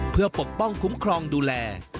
เพื่อปกป้องคุ้มครองดูแล